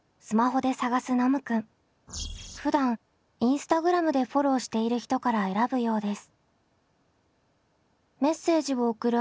ふだんインスタグラムでフォローしている人から選ぶようです。